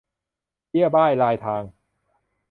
เบี้ยบ้ายรายทาง